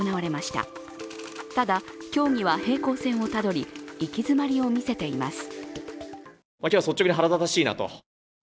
ただ、協議は平行線をたどり行き詰まりを見せています。